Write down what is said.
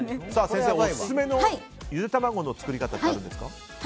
先生、オススメのゆで卵の作り方ってあるんですか？